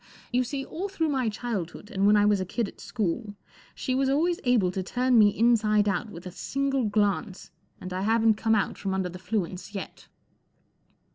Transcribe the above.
You see. all through my childhood and when I was a kid at school she was always able to turn me inside out with a single glance, and 1 haven't come out from under the 'fluence yet.